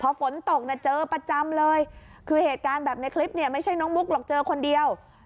พอฝนตกนะเจอประจำเลยคือเหตุการณ์แบบในคลิปเนี่ยไม่ใช่น้องมุกหรอกเจอคนเดียว